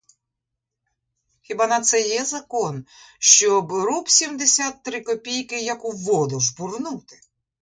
Хіба на це є закон, щоб руб сімдесят три копійки як у воду жбурнути?